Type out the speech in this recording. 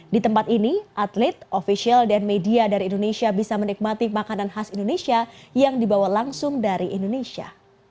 di tempat ini atlet ofisial dan media dari indonesia bisa menikmati makanan khas indonesia yang dibawa langsung dari indonesia